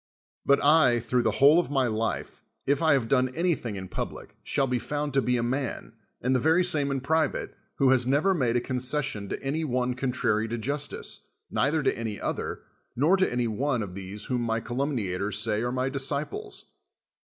But I, through the whole of my life, if I have done anything in public, shall be found to be a man, and the very same in pri vate, who has never made a concession to any one contrary to justice, neither to any other, nor to any one of these whom my calumniators say are my disciples.